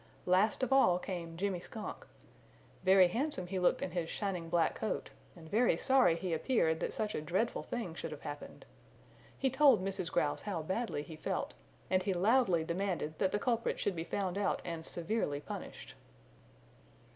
Last of all came Jimmy Skunk. Very handsome he looked in his shining black coat and very sorry he appeared that such a dreadful thing should have happened. He told Mrs. Grouse how badly he felt, and he loudly demanded that the culprit should be found out and severely punished.